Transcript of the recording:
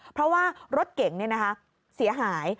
เพราะว่ารถเก่งนะครับเสียหาย